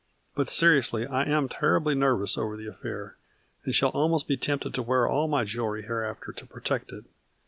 " But seriously, I am terribly nervous over the affair, and shall almost be tempted to wear all my jewelry hereafter to protect it.